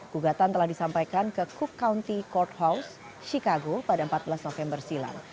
gugatan telah disampaikan ke cook county courthouse chicago pada empat belas november silam